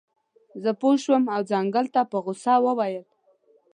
زه پوه شم او ځنګل ته په غوسه وویل.